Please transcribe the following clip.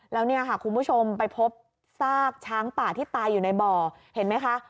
แล้วเนี่ยค่ะคุณผู้ชมไปพบซากช้างป่าที่ตายอยู่ในบ่อเห็นไหมคะ